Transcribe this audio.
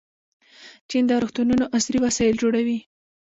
چین د روغتونونو عصري وسایل جوړوي.